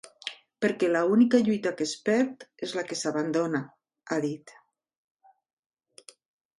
Perquè l’única lluita que es perd és la que s’abandona, ha dit.